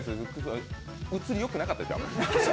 映りよくなかったです。